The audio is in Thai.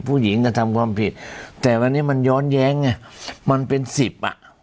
ผู้หญิงกระทำความผิดแต่วันนี้มันย้อนแย้งไงมันเป็นสิบอ่ะ